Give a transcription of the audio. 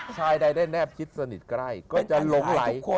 ชายใดได้แนบคิดสนิทใกล้ก็จะหลงไหล